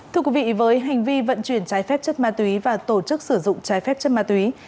thưa quý vị với hành vi vận chuyển trái phép chất ma túy và tổ chức sử dụng trái phép chất ma túy